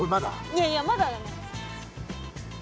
いやいやまだだね。